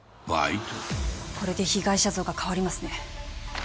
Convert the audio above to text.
これで被害者像が変わりますね。